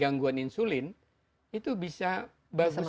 gangguan insulin itu bisa bagus